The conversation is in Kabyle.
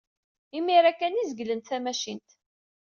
Imir-a kan ay zeglent tamacint.